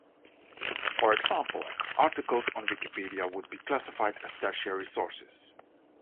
For example, articles on Wikipedia would be classified as tertiary sources.